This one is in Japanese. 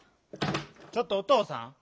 ちょっとおとうさん。